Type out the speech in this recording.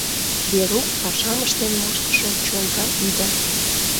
Верук пашам ыштен моштышо чолга ӱдыр.